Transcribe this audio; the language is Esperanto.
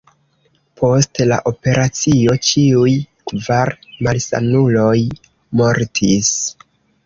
Post la operacio ĉiuj kvar malsanuloj mortis.